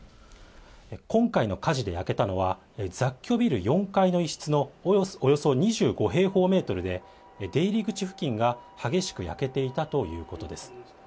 今回の火事で焼けたのは、雑居ビル４階の一室のおよそ２５平方メートルで、出入り口付近が激しく焼けていたということです。